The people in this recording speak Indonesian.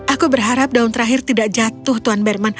aku berharap daun terakhir tidak jatuh tuan berman